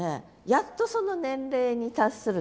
やっとその年齢に達するとか。